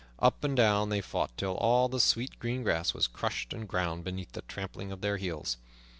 Up and down they fought, till all the sweet green grass was crushed and ground beneath the trampling of their heels.